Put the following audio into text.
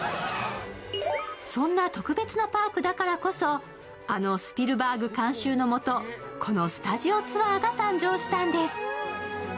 そんな特別なパークだからこそ、あのスピルバーグ監修のもとこのスタジオツアーが誕生したんです。